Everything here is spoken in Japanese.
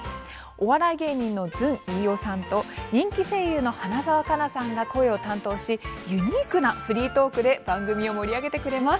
お笑い芸人のずん飯尾さんと人気声優の花澤香菜さんが声を担当しユニークなフリートークで番組を盛り上げてくれます。